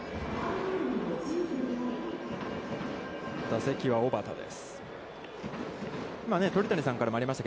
打席は小幡です。